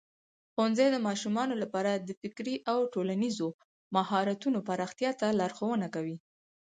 ښوونځی د ماشومانو لپاره د فکري او ټولنیزو مهارتونو پراختیا ته لارښوونه کوي.